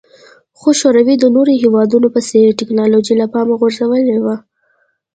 خو شوروي د نورو هېوادونو په څېر ټکنالوژي له پامه غورځولې وه